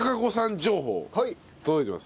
情報届いてます。